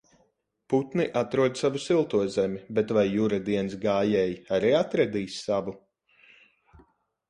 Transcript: Putni atrod savu silto zemi, bet vai Jura dienas gājēji arī atradīs savu?